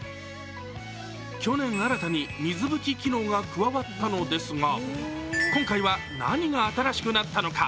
去年、新たに水拭き機能が加わったのですが今回は何が新しくなったのか。